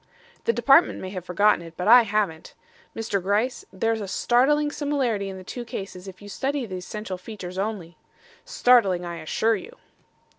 The Department may have forgotten it, but I haven't. Mr. Gryce, there's a startling similarity in the two cases if you study the essential features only. Startling, I assure you."